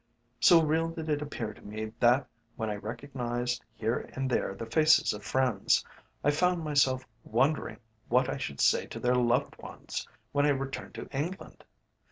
So real did it appear to me, that when I recognised here and there the faces of friends, I found myself wondering what I should say to their loved ones when I returned to England.